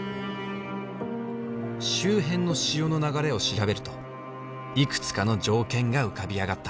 周辺の潮の流れを調べるといくつかの条件が浮かび上がった。